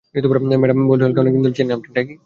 Madam ডয়েলকে অনেকদিন ধরেই চেনেন আপনি, ঠিক?